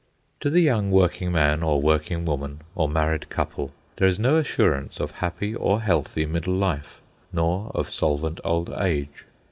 To the young working man or working woman, or married couple, there is no assurance of happy or healthy middle life, nor of solvent old age.